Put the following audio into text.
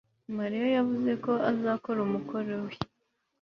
mariya yavuze ko azakora umukoro we